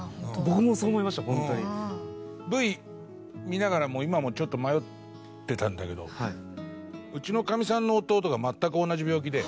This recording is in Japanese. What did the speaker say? Ｖ見ながらも今もちょっと迷ってたんだけどうちのかみさんの弟が全く同じ病気で。